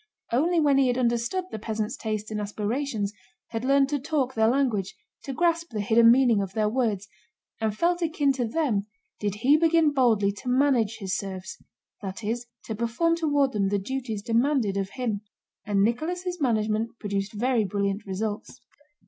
Only when he had understood the peasants' tastes and aspirations, had learned to talk their language, to grasp the hidden meaning of their words, and felt akin to them did he begin boldly to manage his serfs, that is, to perform toward them the duties demanded of him. And Nicholas' management produced very brilliant results.